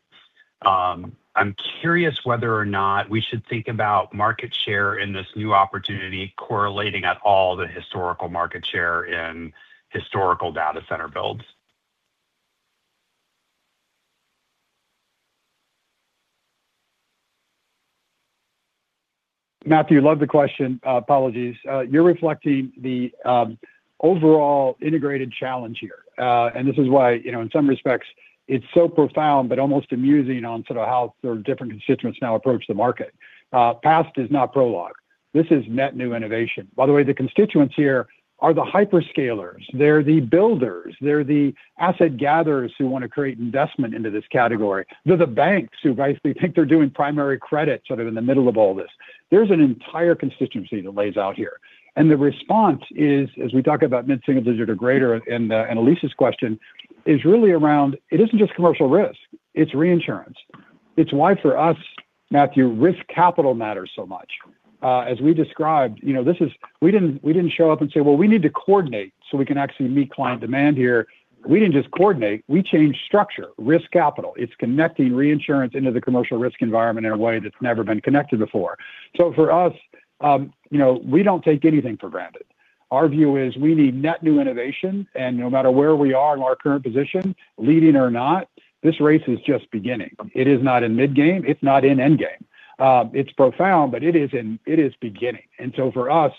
I'm curious whether or not we should think about market share in this new opportunity correlating at all the historical market share in historical data center builds? Matthew, love the question. Apologies. You're reflecting the overall integrated challenge here. And this is why, you know, in some respects, it's so profound but almost amusing on sort of how sort of different constituents now approach the market. Past is not prologue. This is net new innovation. By the way, the constituents here are the hyperscalers, they're the builders, they're the asset gatherers who want to create investment into this category. They're the banks who basically think they're doing primary credit, sort of in the middle of all this. There's an entire constituency that lays out here. And the response is, as we talk about mid-single digit or greater, in Elyse's question, is really around, it isn't just Commercial Risk, it's Reinsurance. It's why, for us, Matthew, Risk Capital matters so much. As we described, you know, this is—we didn't, we didn't show up and say, "Well, we need to coordinate so we can actually meet client demand here." We didn't just coordinate, we changed structure, Risk Capital. It's connecting into the Commercial Risk environment in a way that's never been connected before. So for us, you know, we don't take anything for granted. Our view is we need net new innovation, and no matter where we are in our current position, leading or not, this race is just beginning. It is not in mid-game, it's not in end game. It's profound, but it is in, it is beginning. And so for us,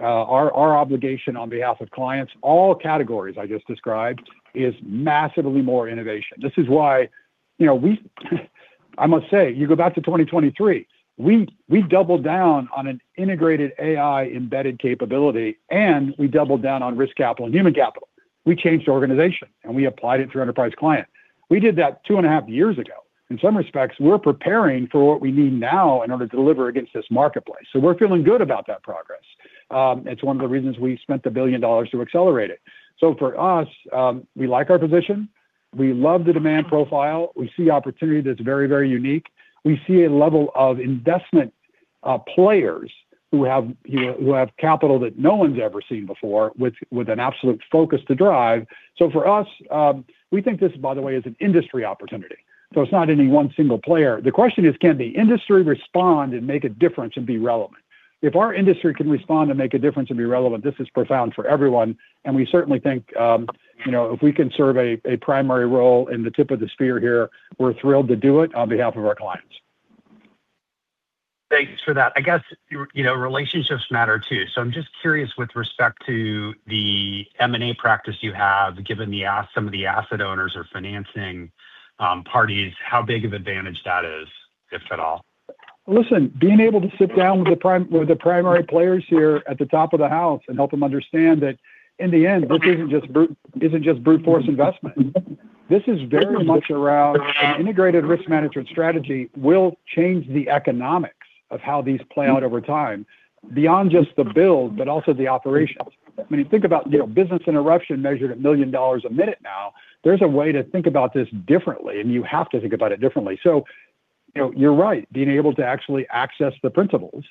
our, our obligation on behalf of clients, all categories I just described, is massively more innovation. This is why, you know, we—I must say, you go back to 2023, we doubled down on an integrated AI embedded capability, and we doubled down on Risk Capital and Human Capital. We changed the organization, and we applied it through Enterprise Client. We did that two and a half years ago. In some respects, we're preparing for what we need now in order to deliver against this marketplace. So we're feeling good about that progress. It's one of the reasons we spent $1 billion to accelerate it. So for us, we like our position. We love the demand profile. We see opportunity that's very, very unique. We see a level of investment, players who have, you know, who have capital that no one's ever seen before, with an absolute focus to drive. So for us, we think this, by the way, is an industry opportunity, so it's not any one single player. The question is, can the industry respond and make a difference and be relevant? If our industry can respond and make a difference and be relevant, this is profound for everyone, and we certainly think, you know, if we can serve a primary role in the tip of the spear here, we're thrilled to do it on behalf of our clients. Thanks for that. I guess you know, relationships matter too. So I'm just curious, with respect to the M&A practice you have, given some of the asset owners or financing parties, how big of an advantage that is, if at all? Listen, being able to sit down with the primary players here at the top of the house and help them understand that in the end, this isn't just brute force investment. This is very much around an integrated risk management strategy will change the economics of how these play out over time, beyond just the build, but also the operations. When you think about, you know, business interruption measured at $1 million a minute now, there's a way to think about this differently, and you have to think about it differently. So, you know, you're right. Being able to actually access the principals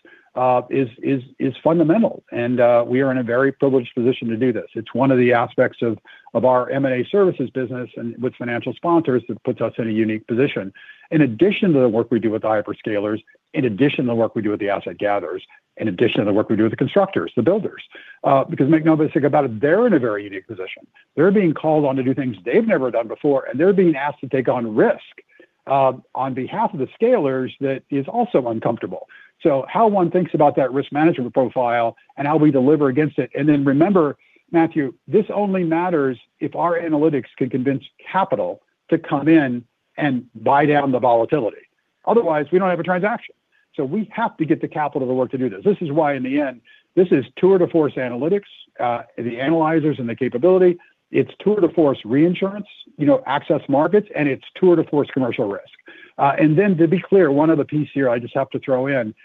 is fundamental, and we are in a very privileged position to do this. It's one of the aspects of our M&A services business and with financial sponsors that puts us in a unique position. In addition to the work we do with the hyperscalers, in addition to the work we do with the asset gatherers, in addition to the work we do with the constructors, the builders. Because make no mistake about it, they're in a very unique position. They're being called on to do things they've never done before, and they're being asked to take on risk on behalf of the scalers that is also uncomfortable. So how one thinks about that risk management profile and how we deliver against it, and then remember, Matthew, this only matters if our analytics can convince capital to come in and buy down the volatility. Otherwise, we don't have a transaction. So we have to get the capital to work to do this. This is why, in the end, this is tour de force analytics, the analyzers and the capability. It's tour de force Reinsurance, you know, access markets, and it's tour de force Commercial Risk. And then to be clear, one other piece here I just have to throw in,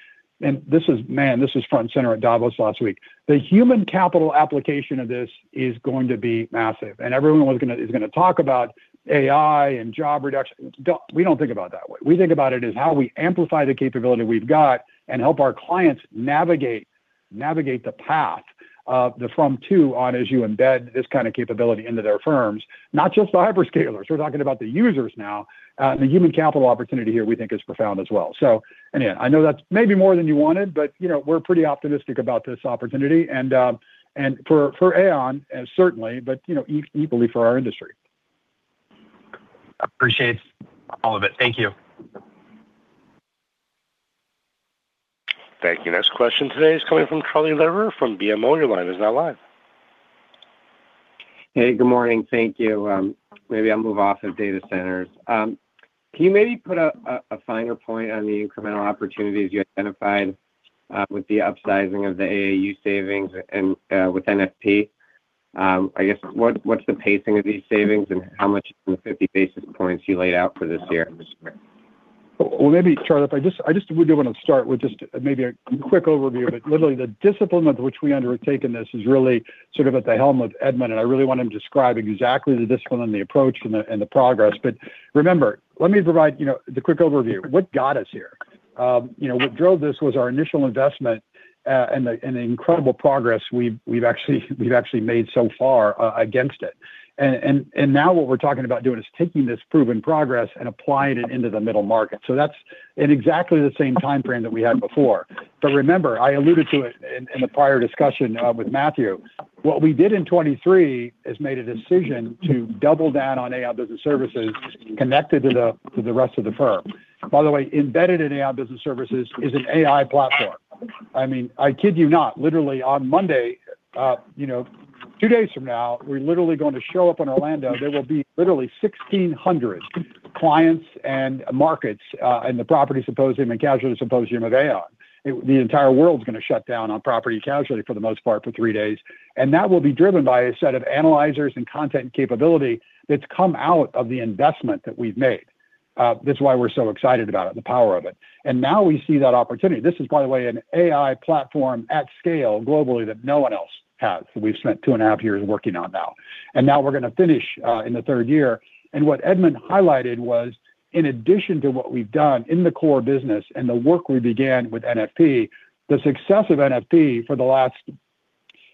and this is... Man, this is front and center at Davos last week. The Human Capital application of this is going to be massive, and everyone is gonna talk about AI and job reduction. We don't think about it that way. We think about it as how we amplify the capability we've got and help our clients navigate the path of the from to on as you embed this kind of capability into their firms, not just the hyperscalers. We're talking about the users now. The Human Capital opportunity here we think is profound as well. So in the end, I know that's maybe more than you wanted, but, you know, we're pretty optimistic about this opportunity and, and for, for Aon, certainly, but, you know, equally for our industry. Appreciate all of it. Thank you. Thank you. Next question today is coming from Charlie Lederer from BMO. Your line is now live. Hey, good morning. Thank you. Maybe I'll move off of data centers. Can you maybe put a finer point on the incremental opportunities you identified, with the upsizing of the AAU savings and, with NFP? I guess, what's the pacing of these savings, and how much from the 50 basis points you laid out for this year? Well, maybe, Charles, if I just do want to start with just maybe a quick overview of it. Literally, the discipline with which we undertaken this is really sort of at the helm with Edmund, and I really want him to describe exactly the discipline and the approach and the, and the progress. But remember, let me provide, you know, the quick overview. What got us here? You know, what drove this was our initial investment, and the, and the incredible progress we've actually made so far against it. And now what we're talking about doing is taking this proven progress and applying it into the middle market. So that's in exactly the same timeframe that we had before. But remember, I alluded to it in the prior discussion with Matthew. What we did in 2023 is made a decision to double down on Aon Business Services connected to the rest of the firm. By the way, embedded in Aon Business Services is an AI platform. I mean, I kid you not, literally on Monday, you know, two days from now, we're literally going to show up in Orlando. There will be literally 1,600 clients and markets in the Property and Casualty Symposium of Aon. The entire world's gonna shut down on property casualty for the most part, for three days. And that will be driven by a set of analyzers and content capability that's come out of the investment that we've made. That's why we're so excited about it, the power of it. And now we see that opportunity. This is, by the way, an AI platform at scale globally that no one else has. We've spent two and a half years working on now, and now we're gonna finish in the third year. And what Edmund highlighted was, in addition to what we've done in the core business and the work we began with NFP, the success of NFP for the last,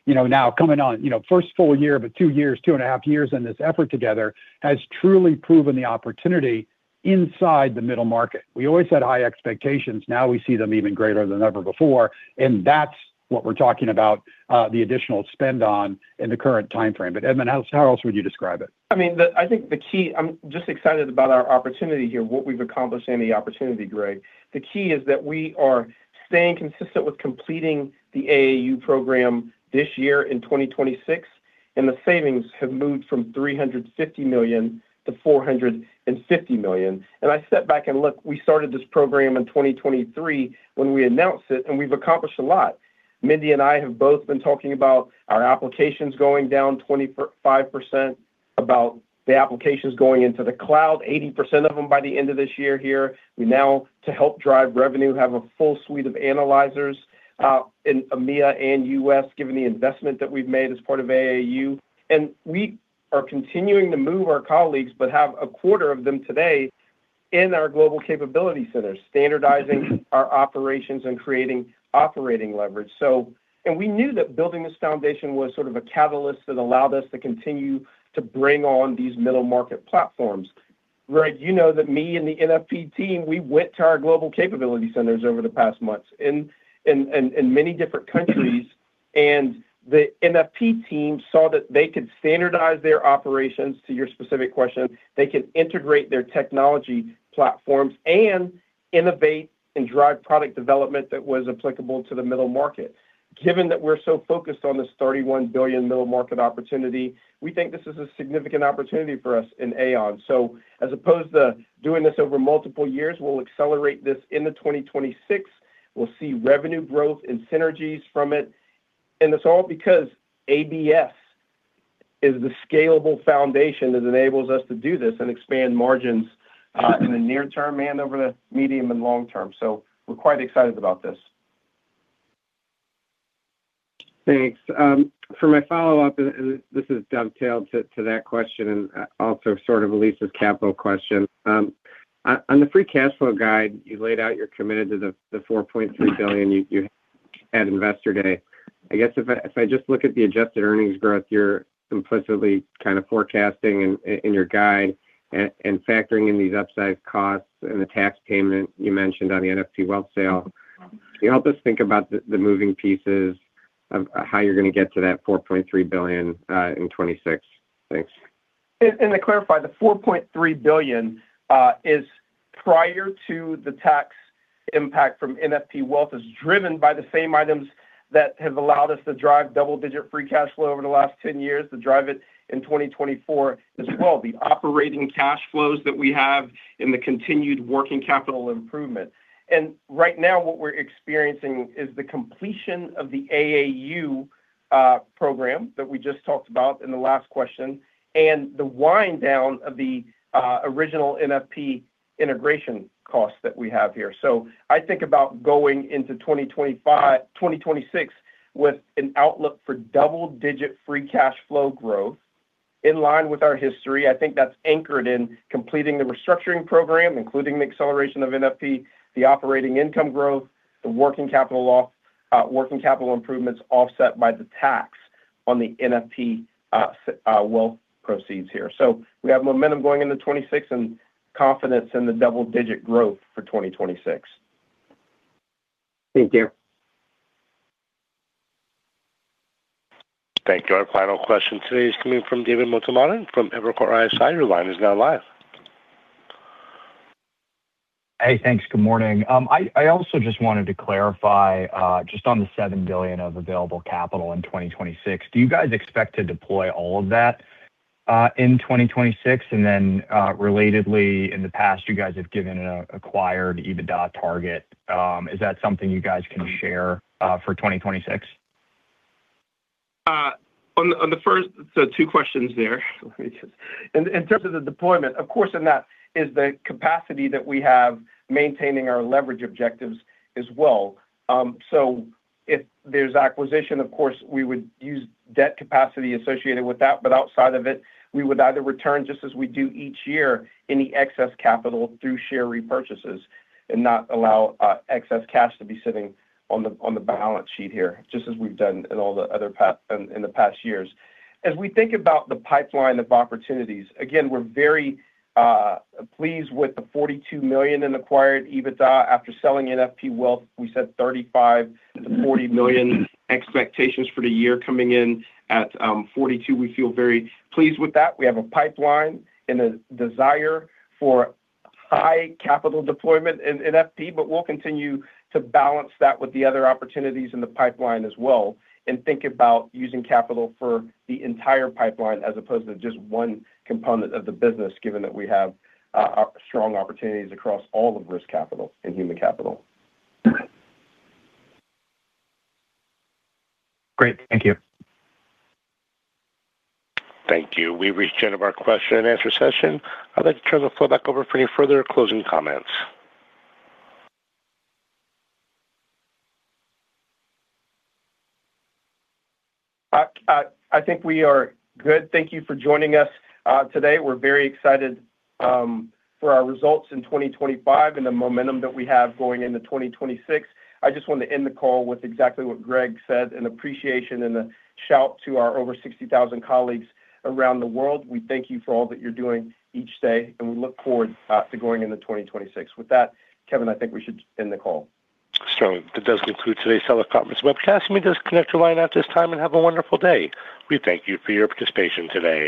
you know, now coming on, you know, first full year, but two years, two and a half years in this effort together, has truly proven the opportunity inside the Middle Market. We always had high expectations. Now we see them even greater than ever before, and that's what we're talking about, the additional spend on in the current timeframe. But Edmund, how, how else would you describe it? I mean, the, I think the key—I'm just excited about our opportunity here, what we've accomplished and the opportunity, Greg. The key is that we are staying consistent with completing the AAU program this year in 2026, and the savings have moved from $350 million to $450 million. And I step back and look, we started this program in 2023 when we announced it, and we've accomplished a lot. Mindy and I have both been talking about our applications going down 25%, about the applications going into the cloud, 80% of them by the end of this year here. We now, to help drive revenue, have a full suite of analyzers in EMEA and U.S., given the investment that we've made as part of AAU. We are continuing to move our colleagues but have a quarter of them today in our Global Capability Centers, standardizing our operations and creating operating leverage. So, and we knew that building this foundation was sort of a catalyst that allowed us to continue to bring on these middle market platforms. Greg, you know that me and the NFP team, we went to our Global Capability Centers over the past months in many different countries, and the NFP team saw that they could standardize their operations, to your specific question, they could integrate their technology platforms and innovate and drive product development that was applicable to the middle market. Given that we're so focused on this $31 billion middle market opportunity, we think this is a significant opportunity for us in Aon. So as opposed to doing this over multiple years, we'll accelerate this into 2026. We'll see revenue growth and synergies from it, and it's all because ABS is the scalable foundation that enables us to do this and expand margins, in the near term and over the medium and long term. So we're quite excited about this. Thanks. For my follow-up, and this is dovetailed to that question and also sort of Elyse's capital question. On the free cash flow guide, you laid out you're committed to the $4.3 billion you had Investor Day. I guess if I just look at the adjusted earnings growth, you're implicitly kind of forecasting in your guide and factoring in these upside costs and the tax payment you mentioned on the NFP Wealth sale. Can you help us think about the moving pieces of how you're going to get to that $4.3 billion in 2026? Thanks. To clarify, the $4.3 billion is prior to the tax impact from NFP Wealth, is driven by the same items that have allowed us to drive double-digit free cash flow over the last 10 years, to drive it in 2024 as well. The operating cash flows that we have and the continued working capital improvement. Right now, what we're experiencing is the completion of the AAU program that we just talked about in the last question, and the wind down of the original NFP integration costs that we have here. I think about going into 2025-2026 with an outlook for double-digit free cash flow growth in line with our history. I think that's anchored in completing the restructuring program, including the acceleration of NFP, the operating income growth, the working capital improvements, offset by the tax on the NFP Wealth proceeds here. So we have momentum going into 2026 and confidence in the double-digit growth for 2026. Thank you. Thank you. Our final question today is coming from David Motemaden from Evercore ISI. Your line is now live. Hey, thanks. Good morning. I also just wanted to clarify, just on the $7 billion of available capital in 2026. Do you guys expect to deploy all of that, in 2026? And then, relatedly, in the past, you guys have given an acquired EBITDA target. Is that something you guys can share, for 2026? On the first. So two questions there. Let me just. In terms of the deployment, of course, that is the capacity that we have maintaining our leverage objectives as well. So if there's acquisition, of course, we would use debt capacity associated with that, but outside of it, we would either return, just as we do each year, any excess capital through share repurchases and not allow excess cash to be sitting on the balance sheet here, just as we've done in the past years. As we think about the pipeline of opportunities, again, we're very pleased with the $42 million in acquired EBITDA after selling NFP Wealth. We said $35 million-$40 million expectations for the year, coming in at $42 million. We feel very pleased with that. We have a pipeline and a desire for high capital deployment in NFP, but we'll continue to balance that with the other opportunities in the pipeline as well, and think about using capital for the entire pipeline as opposed to just one component of the business, given that we have strong opportunities across all of Risk Capital and Human Capital. Great. Thank you. Thank you. We've reached the end of our question and answer session. I'd like to turn the floor back over for any further closing comments. I think we are good. Thank you for joining us, today. We're very excited for our results in 2025 and the momentum that we have going into 2026. I just want to end the call with exactly what Greg said, an appreciation and a shout to our over 60,000 colleagues around the world. We thank you for all that you're doing each day, and we look forward to going into 2026. With that, Kevin, I think we should end the call. Sure. That does conclude today's teleconference webcast. You may disconnect your line at this time, and have a wonderful day. We thank you for your participation today.